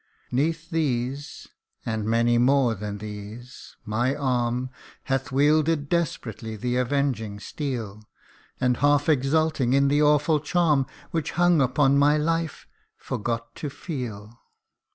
'Neath these, and many more than these, my arm Hath wielded desperately the avenging steel And half exulting in the awful charm Which hung upon my life forgot to feel